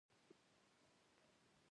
پاچا تل د ځان په اړه فکر کوي.